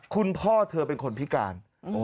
พ่อเธอเป็นคนพิการ